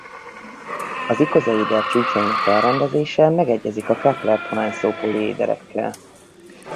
Az ikozaéder csúcsainak elrendezése megegyezik a Kepler–Poinsot-poliéderekkel.